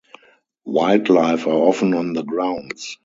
Wildlife are often on the grounds.